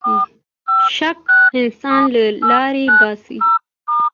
شک انسان له لارې باسـي.